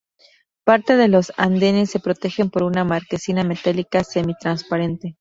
Parte de los andenes se protegen por una marquesina metálica semitransparente.